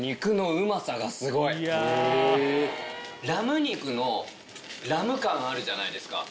ラム肉のラム感あるじゃないですか。